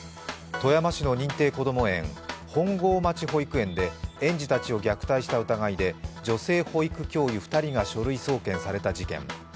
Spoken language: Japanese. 富山市の認定こども園・本郷町保育園で園児たちを虐待した疑いで女性保育教諭２人が書類送検された事件。